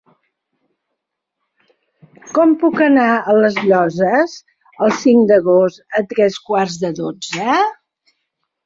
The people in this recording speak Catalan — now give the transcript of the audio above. Com puc anar a les Llosses el cinc d'agost a tres quarts de dotze?